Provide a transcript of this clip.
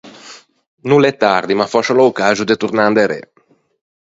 No l’é tardi, ma fòscia l’é o caxo de tornâ inderê.